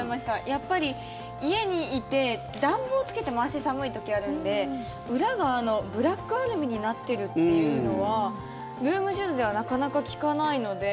やっぱり家にいて暖房つけても、足寒い時あるので裏がブラックアルミになっているというのはルームシューズではなかなか聞かないので。